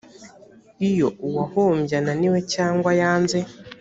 iyo uwahombye ananiwe cyangwa yanze